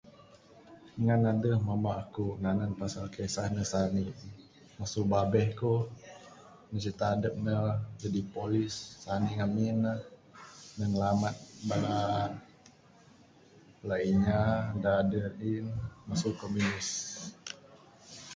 Ngan adeh memba ku nanen pasal kisah ne sanik mesu babeh ku. Ne cerita adep ne jadi polis sanik ngemin ne nilamat bala, bala inya dak deh in mesu kominis.